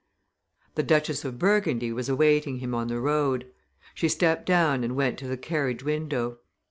The Duchess of Burgundy was awaiting him on the road. She stepped down and went to the carriage window.